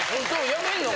やめんの？